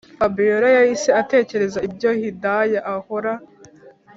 fabiora yahise atekereza ibyo hidaya ahora